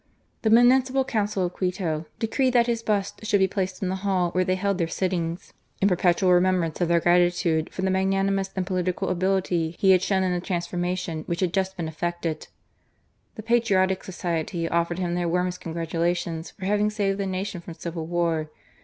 The Municipal Council of Quito decreed that his bust should be placed in the hall where they held their sittings, "in perpetual remembrance of their gratitude for the magnanimous and political ability he had shown in the transform ation which had just been efifected." The " Patriotic Society " ofifered him their warmest congratulations for having saved the nation from civil war."